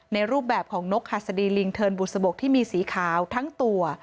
รูปแบบของนกหัสดีลิงเทินบุษบกที่มีสีขาวทั้งตัว